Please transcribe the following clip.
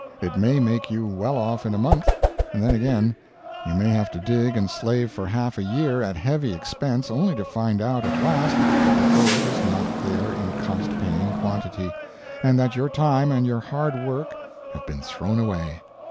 It may make you well off in a month; and then again you may have to dig and slave for half a year, at heavy expense, only to find out at last that the gold is not there in cost paying quantity, and that your time and your hard work have been thrown away.